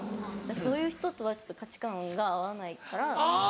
そういう人とはちょっと価値観が合わないから。